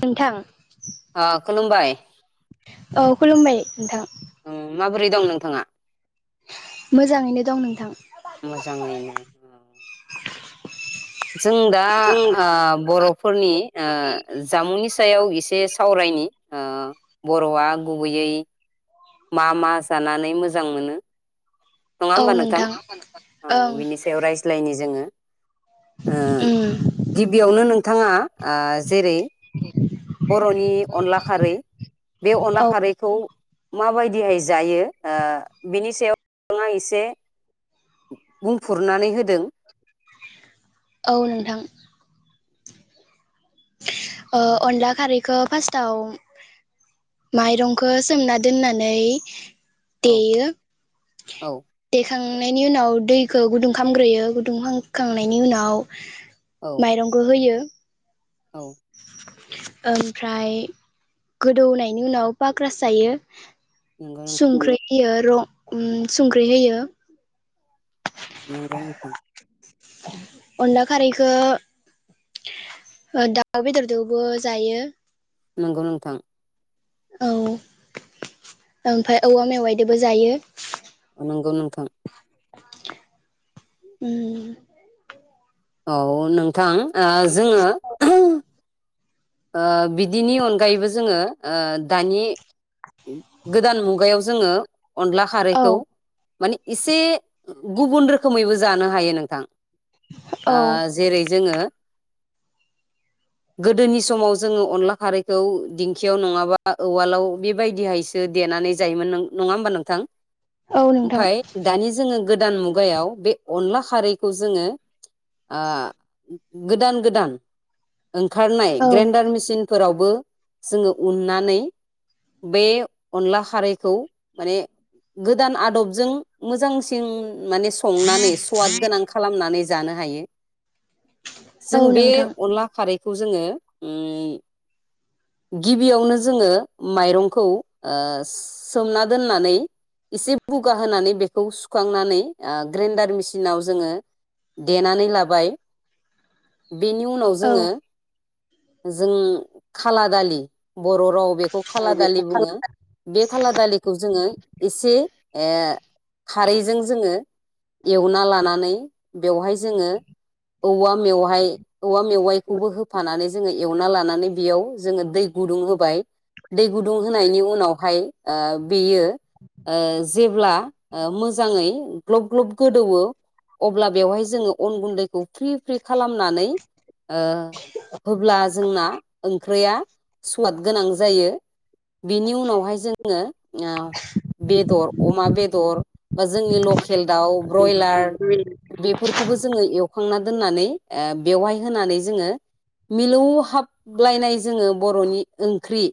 नोंथां बाय औ खुलुमबाय नोंथां ओं माबोरै दं नोंथाङा मोजाङैनो दं नोंथां मोजाङैनो औ जों दा ओ बर'फोरनि ओ जामुंनि सायाव एसे सावरायनि आ बर'आ गुबैयै मा मा जानानै मोजां मोनो नङा होमबा नोंथां औ ओं बिनि सायाव रायज्लायनि जोङो ओ उम गिबियावनो नोंथाङा ओ जेरै बर'नि अनला खारै बे अनला औ खारैखौ मा बायदिहाय जायो ओ बिनि सायाव नोंथाङा एसे बुंफुरनानै होदों औ नोंथां ओ अनला खारैखौ फार्स्टाव माइरंखौ सोमना दोननानै औ देयो औ देखां नायनि उनाव दैखौ गुदुं खालामग्रोयो गुदुं खामखांनायनि उनाव औ माइरंखौ होयो औ ओमफ्राय गोदौनायनि उनाव पाग्राास जायो नंगौ नोंथां संख्रि होयो रं उम संख्रि होयो नंगौ नोंथां अनला खारैखौ दाउ बेदरदोबो जायो नंगौ नोंथां औ ओमफ्राय औवा मेवाइदोबो जायो नंगौ नोंथां उम औ नोंथां ओ जोङो [unintelligible] ओ बिदिनि अनगायैबो जोङो ओ दानि गोदान मुगायाव जोङो अनला खारैखौ मानि इसे गुबुन रोखोमैबो जानो हायो नोंथां औ ओ जेरै जोङो गोदोनिस समाव जोङो अनला खारैखौ दिंखियाव नङाबा औवालाव बेबायदिहायसो देनानै जायोमोन नो नङा होमबा नोंथां। औ नोंथां ओमफाय दानि जोङो गोदान मुगायाव बे अनला खारैखौ जोङो ओ गोदान गोदान ओंखारनाय औ ग्रेन्डार मिसिनफोरावबो जोङो उननानै बे अनला खारैखौ माने गोदान आदबजों मोजांसिन माने संनानै सुवाद गोनां खालामनानै जानो हायो। औ जों बे नोंथां अनला खारै खौ जोङो उम गिबियावनो जोङो माइरंखौ ओ सोमना दोननानै एसे बुगा होनानै बेखौ सुखांनानै ओ ग्रेन्डार मिसिनाव जोङो देनानै लाबाय। बेनि उनाव औ जोङो जों खाला दालि बर' राव बेख खौ खाला दालि बुङो बे खाला बे दालिखौ जोङो एसे खारैजों जोङो एवना लानानै बेवहाय जोङो औवा मेवहाय औवा मेवायखौबो होफानानै जोङो एवना लानानै बेयाव जोङो दै गुदुं होबाय दै गुदुं होनायनि उनावहाय ओ बेयो ओ जेब्ला ओ मोजाङै ग्लब ग्लब गोदौवो अब्ला बेवहाय जोङो अन गुन्दैखौ फ्रि फ्रि खालामनानै ओ होब्ला जोंना ओंख्रौया सुवाद गोनां जायो बिनि उनावहाय जोङो ओ बेदर अमा बेदर बा जोंनि लकेल दाउ ब्रयलार बेफोरखौबो जोङो एव हुखांना दोननानै ओ बेवहाय होनानै जोङो मिलौ हाबलायनाय जोङो बर'नि ओंख्रि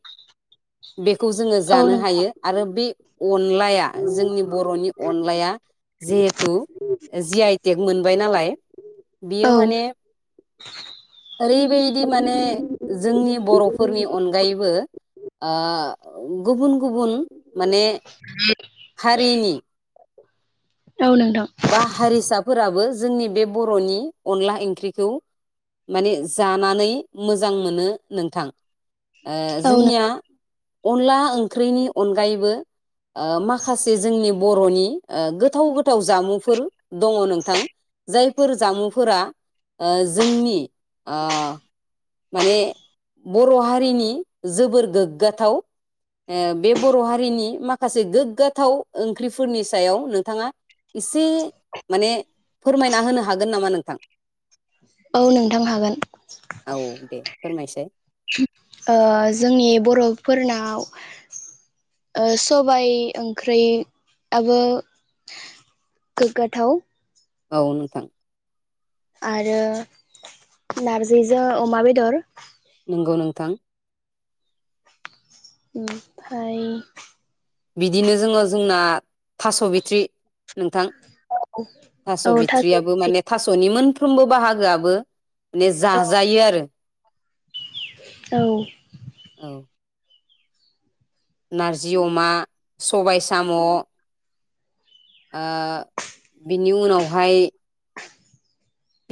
बेखौ जोङो औ जानो नोंथां हायो आरो बे अनलाया जोंनि बर'नि अनलाया जिहेथु जि आइ टेक मोनबाय नालाय औ बियो माने ओरै बैबायदि माने जोंनि बर'फोरनि अनगायैबो ओ गुबुन गुबुन माने हारिनि औ नोंथां फोराबो जोंनि बे बर'नि अनला इंख्रिखौ माने जानानै मोजां मोनो नोंथां ओ औ जोंनिया अनला ओंख्रिनि अनगायैबो ओ माखासे जोंनि बर'नि गोथाव गोथाव जामुंफोर दङ नोंथां जायफोर जामुंफोरा जोंनि आ माने बर' हारिनि जोबोर गोग्गाथाव बे बर' हारिनि माखासे गोग्गाथाव ओंख्रिफोरनि सायाव नोंथाङा एसे माने फोरमायना होनो हागोन नामा नोंथां औ नोंथां हागोन औ दे फोरमायसै ओ जोंनि बर'फोरनाव सबाय ओंख्रैआबो गोग्गाथाव औ नोंथां आरो नारजिजो अमा बेदर नंगौ नोंथां ओमफाय बिदिनो जोङो जोंना थास' बिथ्रि नोंथां औ थास' बिथ्रियाबो ओंख्रि माने थास'नि मोन साफ्रोमबो बाहागोआबो माने औ जाजायो आरो औ औ नारजि अमा सबाय साम' ओ बिनि उनावहाय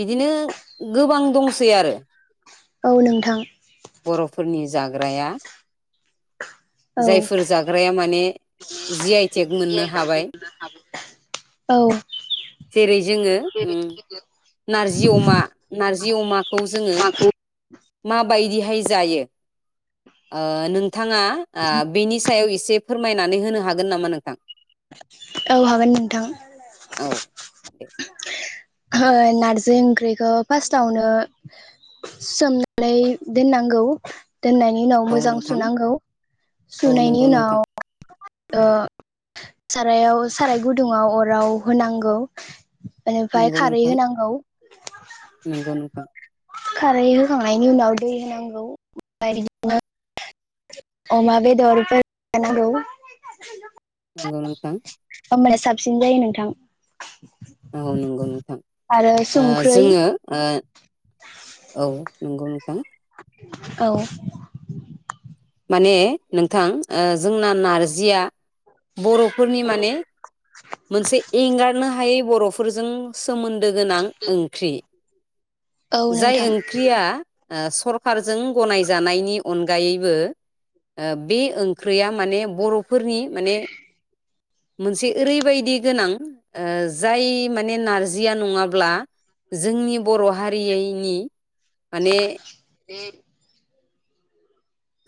बिदिनो गोबां दंसै आरो औ नोंथां बर'फोरनि जाग्राया औ जायफोर जाग्राया माने जि आइ टेक मोननो हाबाय औ जेरै जोङो नारजि अमा नारजि अमाखौ जोंङो माबायदि जायो ओ नों थाङा आ बेनि सायाव एसे एसे फोरमायनानै होनो हागोन नामा नोंथां औ हागोन नोंथां औ दे नारजि ओंख्रिखौ फार्स्टावनो सोमनानै दोननांगौ दोननायनि उनाव औ मोजां नोंथां सुनांगौ औ सुनायनि नंगौ नोंथां उनाव ओ सारायाव साराय गुदुङाव अराव होनांगौ बेनिफ्राय नंगौ खारै नोंथां होनांगौ नंगौ नोंथां खारै होखांनायनि उनाव दै होनांगौ ओमफ्राय बिदिनो अमा बेदरफोर होफानांगौ नंगौं नोंथां होमबाना साबसिन जायो नोंथां औ नंगौ नोंथां आरो ओ संख्रै जोङो ओ औ नंगौ नोंथां औ माने नोंथां ओ जोंना नारजिया बर'फोरनि माने मोनसे एंगार बुंनो हायै बर'फोरजों सोमोन्दो गोनां ओंख्रि औ जाय नोंथां ओंख्रिया ओ सरखारजों गनायजानायनि अनगायैबो ओ बे ओंख्रिया माने बर'फोरनि माने मोनसे ओरैबायदि गोनां ओ जाय माने नारजिया नङाब्ला जोंनि बर' हारियैनि माने [unintelligible]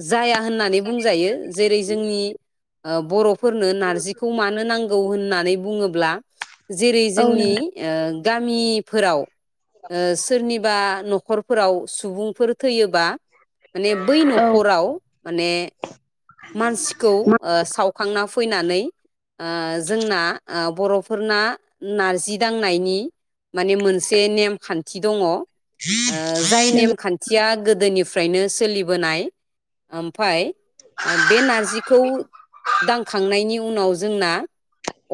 जाया होननानै बुंजायो जेरै जोंनि ओ बर' फोरनो नारजिखौ मानो नांगौ होन नानै बुङोब्ला जेरै औ जोंनि नोंथां ओ गामिफोराव ओ सोरनिबा न खरफोराव सुबुंफोर थैयोबा माने औ नखराव माने मानसिखौ ओ सावखांना फैनानै ओ जोंना आ बर'फोरना नारजि दांनायनि माने मोनसे नेम खान थि दङ ओ जाय नोंगौ नेमखान्थिया गो दोनिफ्रायनो सोलिबोनाय ओमफाय बे नारजिखौ दांखांनायनि उनाव जोंना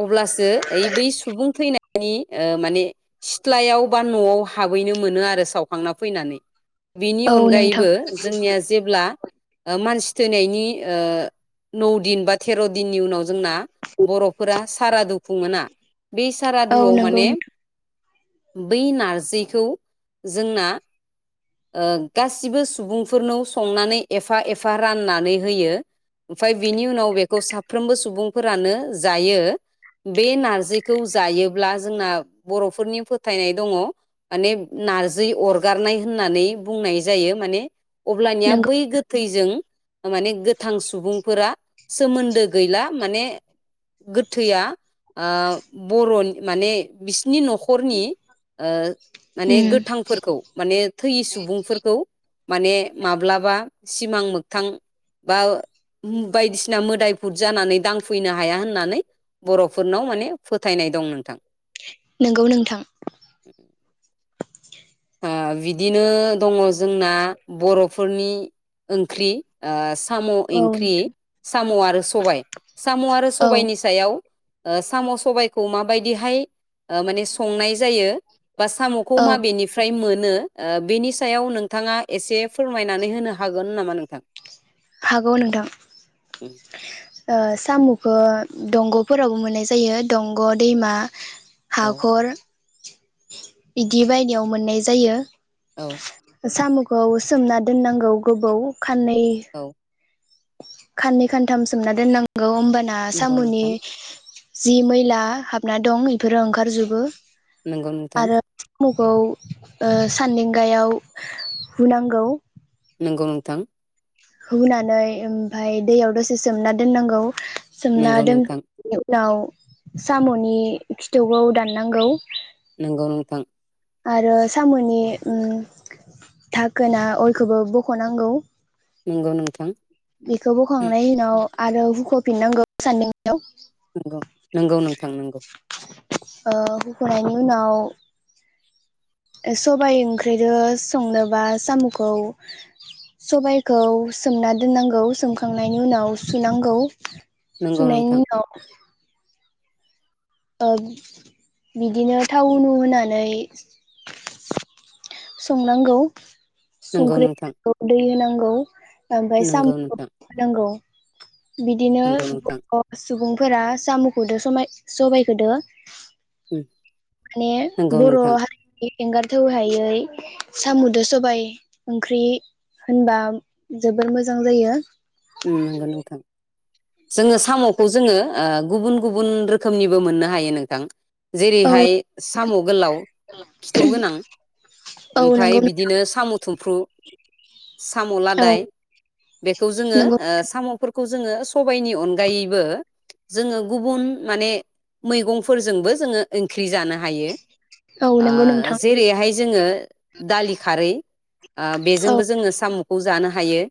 अब्लासो ओइ बै सुबुं थैनायनि ओ माने सिथ्लायाव बा न'आव हाबैनो मोनो आरो सावखांना फैनानै बेनि औ नोंथां अनगायैबो जोंनिया जेब्ला ओ मानसि थैनायनि ओ नौ दिन बा थेर' दिननि उनाव जोंना बर'फोरा सारादु खुङो ना बेै औ सारादुआव नोंगौ माने बै नारजिखौ जोंना ओ गासिबो सुबुंफोरनाव संनानै एफा एफा राननानै होयो ओमफाय बिनि उनाव बेखौ साफ्रोमबो सुबुंफोरानो जायो बे नारजिखौ जायोब्ला जोंना बर'फोरनि फोथायनाय दङ माने नारजि अरगारनाय होननानै बुंनाय जायो माने अब्लानिया नोंगौ बै गोथैजों माने गोथ सुबुंफोरा सोमोन्दो गैला माने गोथैआ आ बर' माने बिसिनि न'खरनि ओ माने उम गोथांफोरखौ माने थैयि सुबुंफोरखौ माने माब्लाबा सिमां मोगथां बा बायदिसिना मोदायबुद जानानै दांफैनो हाया होननानै बर'फोरनाव माने फोथायनाय दं नोंथां नंगौ नोंथां ओ बिदिनो दङ जोंना बर'फोरनि ओंख्रि ओ साम' औ ओंख्रि साम' आरो सबाय साम' आरो औ सबायनि सायाव ओ साम' सबायखौ माबायदिहाय ओ माने संनाय जायो बा साम'खौ औ मा बेनि मोनो ओ बेनि सायाव नोंथाङा एसे फोरमायनानै होनो हागोन नामा नोंथां। हागौ नोंथां ओ सा साम'खौ दंग'फोरावबो मोननाय जायो दंग' दैमा औ हाखर बिदि बायनायाव मोननाय जायो औ साम'खौ सोमना दोननांगौ गोबौ खाननै औ साननै खानथाम सोमना दोननांगौ होनबा ना नंगौ साम'नि नोंथां जि मैला हाबना दं बेफोरो ओंखारजोबो नंगौ गोथां खौ ओ सान्दिंगायाव हुनांगौ नंगौ नोंथां हुनानै ओमफफ्राय दैयाव दसे सोमना दोननांगौ नंगौ सोमनादो नोंथां [unintelligible] उनाव साम'नि खिथौखौ दाननांगौ नंगौ नोंथां आरो साम'नि ओ दाखोना अ इखौबो बख'नांगौ नंगौ नोंथां बेखौ बखखांनायनि उनाव आरो हुख'फिननांगौ सानदें नंगौ नंगौ नोंथां नंगौ ओ हुख'नायनि उनाव सबाय ओंख्रिजों संनोबा साम'खौ सबायखौ सोमना दोननांगौ सोमखांनायनि उनाव सुनांगौ नंगौ नोंथां सोमनायनि उनाव ओ बिदिनो टाउ उनु होनानै संनांगौ नंगौ संख्रि नोंथां दै होनांगौ औ आमफाय नंगौ साम'खौ नोंथां होनांगौ नंगौ बिदिनोस नोंथां [unintelligible] सुबुंफोरा साम'खौदो सबाय-सबायखोदो [inaudible] माने नंगौ बर' नोंथां हारिनि एंगारथौहायै साम'दो सबाय ओंख्रि होनबा जोबोर मोजां जायो उम नोंगो नोंथां जोङो साम'खौ जोङो ओ गुबुन गुबुन रोखोमनिबो मोननो हायो नोंथां औ जेरैहाय साम' गोलाव खिथौ गोनां औ ओमफाय नंगौ बिदिनो साम' थुमफ्रु साम' औ लादाय बेखौ जोङो नंगौ ओ साम'फोरखौ जोङो स सबाइनि अनगायैबो जोङो गुबुन माने मैगंफोरजोंबो जोङो ओंख्रि जानो हायो औ नंगौ आ नोंथां जेरैहाय जोङो दालि खारै आ औ बेजोंबो जोङो साम'खौ जानो हायो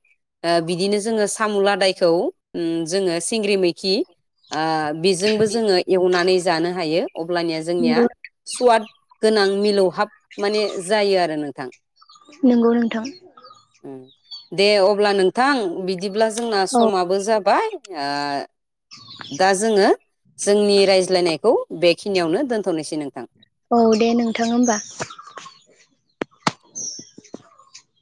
ओ बिदिनो जोङो सा सामु लादायखौ उम जोङो सिंग्रि मैखि आ बेजोंबो जोङो एवनानै जानो हायो अब्लानिया जोंनिया नंगौ सुवाद गोनां मिलौहाब माने जायो आरो नोंथां नंगौ नोंथां [inaudible] उम दे अब्ला नोंथां बि बिदिब्ला जोंना औ समाबो जाबाय आ दा जोङो जोंनि रायज्लायनायखौ बेखिनियावनो दोनथ'नोसै नोंथां औ दे नोंथां होमबा [unintelligible]